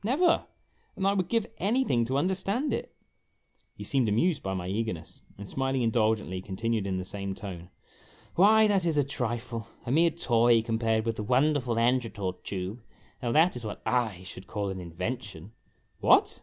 " Never ! And I would give anything to understand it !" He seemed amused by my eagerness, and, smiling indulgently, continued in the same tone: "Why, that is a trifle a mere toy compared with the wonderful Angertort Tube. Now, that is what / should call an invention /" "What!